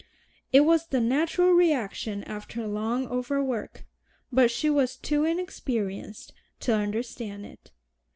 It was the natural reaction after long overwork, but she was too inexperienced to understand it.